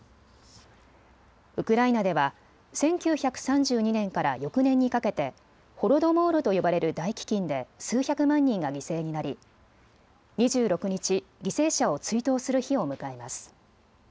ウクライナでは１９３２年から翌年にかけてホロドモールと呼ばれる大飢きんで数百万人が犠牲になり、２６日、犠牲者を追悼する日を迎えます。